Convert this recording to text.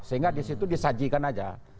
sehingga disitu disajikan saja